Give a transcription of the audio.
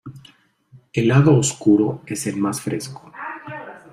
El lado oscuro es el más fresco.